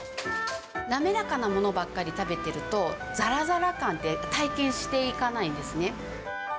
滑らかなものばっかり食べてると、ざらざら感って体験していかないんですね。